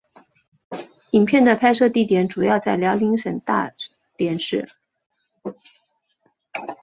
影片的拍摄地点主要在辽宁省大连市。